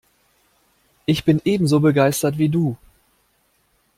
Ich bin ebenso begeistert wie du.